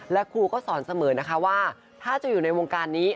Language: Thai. และครูก็สอนเสมอนะคะว่าถ้าจะอยู่ในวงการนี้